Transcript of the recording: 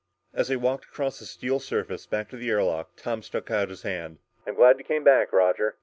As they walked across the steel surface, back to the air lock, Tom stuck out his hand. "I'm glad you came back, Roger."